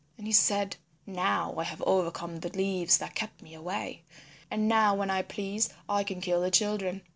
And he said, "Now I have overcome the leaves that kept me away, and now when I please I can kill the children."